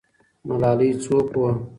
ملالۍ څوک وه؟